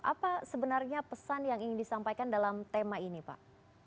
apa sebenarnya pesan yang ingin disampaikan dalam tema ini pak